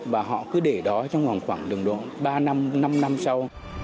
và họ cứ để đó trong khoảng đường độ ba năm năm năm sau